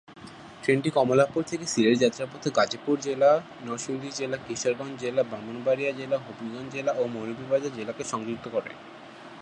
ট্রেনটি কমলাপুর থেকে সিলেট যাত্রাপথে গাজীপুর জেলা, নরসিংদী জেলা, কিশোরগঞ্জ জেলা, ব্রাহ্মণবাড়িয়া জেলা হবিগঞ্জ জেলা ও মৌলভীবাজার জেলাকে সংযুক্ত করে।